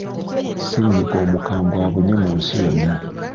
Ssennyiga omukambwe abunye mu nsi yonna.